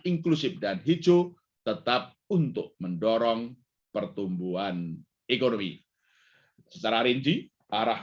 inklusif dan hijau tetap untuk mendorong pertumbuhan ekonomi secara rinci arah